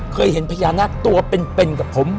เคยเห็นพญานาคตัวเป็นกับผม